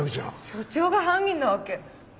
署長が犯人なわけ。